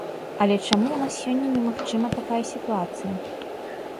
Але чаму ў нас сёння немагчыма такая сітуацыя?